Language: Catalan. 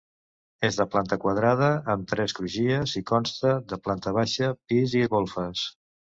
És de planta quadrada amb tres crugies i consta de planta baixa, pis i golfes.